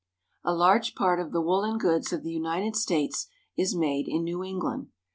A large part of the woolen goods of the United States is made in New England.